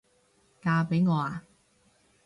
嫁畀我吖？